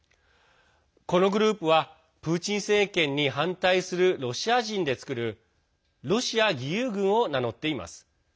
このグループはプーチン政権に反対するロシア人で作るロシア義勇軍を名乗っています。